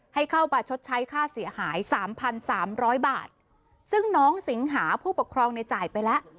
ให้เข้ามาชดใช้ค่าเสียหายสามพันสามร้อยบาทซึ่งน้องสิงหาผู้ปกครองในจ่ายไปแล้ว